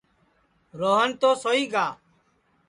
روہن تو سوئی گا